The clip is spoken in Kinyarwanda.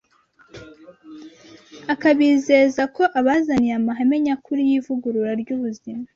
akabizeza ko abazaniye amahame nyakuri y’ivugurura ry’ubuzima